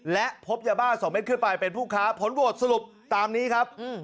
และพบยาบ้า๒เม็ดขึ้นไปเป็นผู้ค้าผลโหวตสรุปตามนี้ครับ